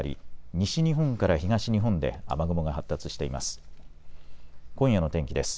西日本から東日本で雨雲が発達しています。